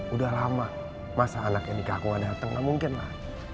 udah lama masa anak yang dikaku gak dateng gak mungkin lah